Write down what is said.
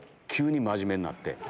急に真面目になって。